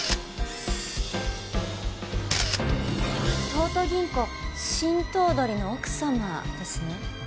東都銀行新頭取の奥様ですね？